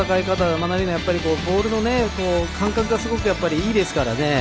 マナリーノ、ボールの感覚がすごくいいですからね。